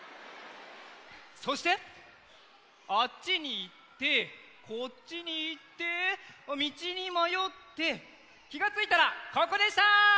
そしてあっちにいってこっちにいってみちにまよってきがついたらここでした！